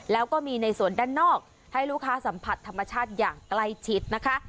แล้วก็มีในส่วนด้านนอกให้ลูกค้าสัมผัสธรรมชาติอย่างใกล้ชิดนะคะ